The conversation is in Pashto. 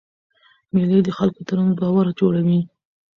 مېلې د خلکو ترمنځ باور جوړوي.